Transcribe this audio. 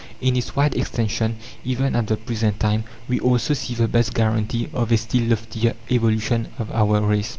In its wide extension, even at the present time, we also see the best guarantee of a still loftier evolution of our race.